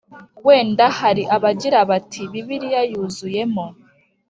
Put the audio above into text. Wenda hari abagira bati bibiliya yuzuyemo